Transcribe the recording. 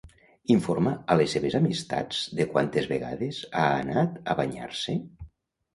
Informa a les seves amistats de quantes vegades ha anat a banyar-se?